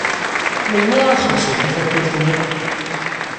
Melmi ara txellṣem tafatuṛt-nni?